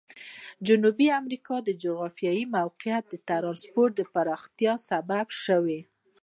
جنوبي امریکا جغرافیوي موقعیت د ترانسپورت پراختیا سبب شوی.